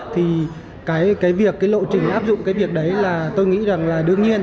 thì cái việc cái lộ trình áp dụng cái việc đấy là tôi nghĩ rằng là đương nhiên